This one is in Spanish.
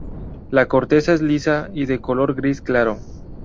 La corteza es lisa y de color gris claro.